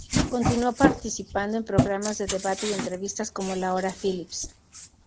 Continuó participando en programas de debate y entrevistas, como "La hora Philips".